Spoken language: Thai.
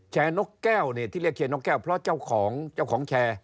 นกแก้วเนี่ยที่เรียกแชร์นกแก้วเพราะเจ้าของเจ้าของแชร์